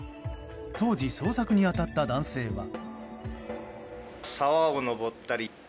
当時、捜索に当たった男性は。